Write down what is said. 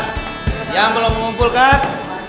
seperti yang belum mengumpulkan